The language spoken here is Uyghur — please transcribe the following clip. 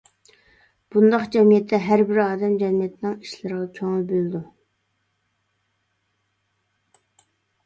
بۇنداق جەمئىيەتتە ھەربىر ئادەم جەمئىيەتنىڭ ئىشلىرىغا كۆڭۈل بۆلىدۇ.